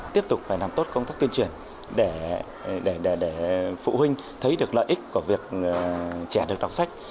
tiếp tục phải làm tốt công tác tuyên truyền để phụ huynh thấy được lợi ích của việc trẻ được đọc sách